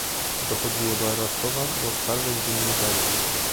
Dochodziło do aresztowań i oskarżeń dziennikarzy